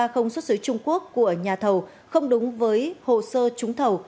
không xuất xứ trung quốc của nhà thầu không đúng với hồ sơ trúng thầu